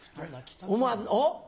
思わずおっ。